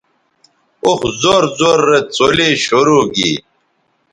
اوخ زور زور رے څلے شروع گی